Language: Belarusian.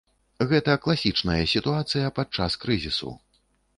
Гэта класічная сітуацыя падчас крызісу.